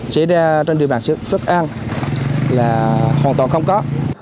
xảy ra trên địa bàn xã phước an là hoàn toàn không có